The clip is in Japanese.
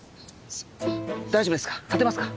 大丈夫ですか？